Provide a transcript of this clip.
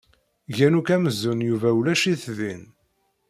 Gan akk amzun Yuba ulac-it din.